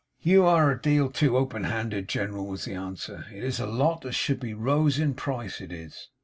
'You air a deal too open handed, Gen'ral,' was the answer. 'It is a lot as should be rose in price. It is.